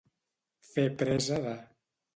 Fer presa de.